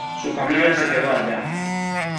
Su familia se quedó allá.